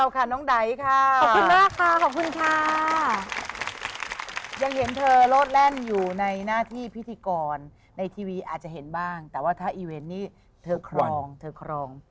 ขอบคุณดาวของเราค่ะน้องไดยค่ะ